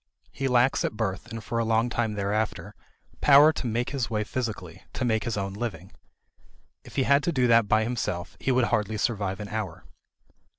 He lacks at birth and for a long time thereafter power to make his way physically, to make his own living. If he had to do that by himself, he would hardly survive an hour.